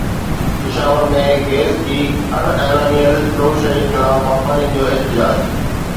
Peshawar ۾ gas جي اڻ اعلانيل لوڊشيڊنگ خلاف واپارين جو احتجاج